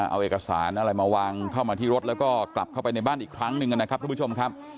เอาเอกสารอะไรมาวางเข้ามาที่รถแล้วก็กลับเข้าไปในบ้านอีกครั้งหนึ่งนะครับทุกผู้ชมครับ